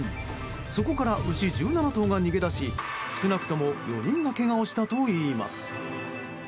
そこから牛１７頭が逃げ出し少なくとも４人がけがをしたといいます。